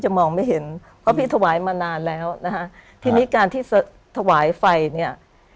คุณซูซี่คุณซูซี่คุณซูซี่